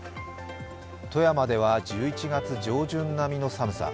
富山では１１月上旬並みの寒さ。